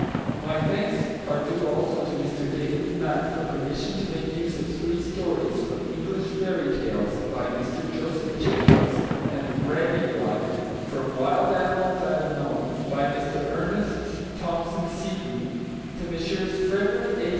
My thanks are due also to Mr David Nutt for permission to make use of three stories from English Fairy Tales, by Mr Joseph Jacobs, and Raggylug, from Wild Animals I have Known, by Mr Ernest Thompson Seton; to Messrs Frederick A.